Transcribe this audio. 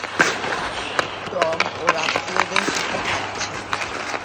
Tom ওর আত্বীয়দের সাথে থাকছে।